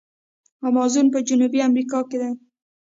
امازون په جنوبي امریکا کې دی.